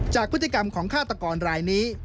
จากพฤติกรรมของฆาตกรรายนี้